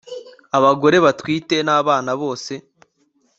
abagore batwite nabana bose